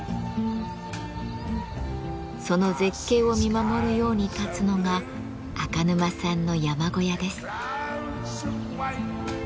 その絶景を見守るように建つのが赤沼さんの山小屋です。